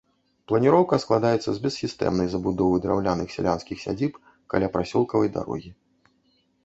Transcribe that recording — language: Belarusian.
Планіроўка складаецца з бессістэмнай забудовы драўляных сялянскіх сядзіб каля прасёлкавай дарогі.